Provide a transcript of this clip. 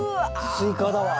スイカだわ。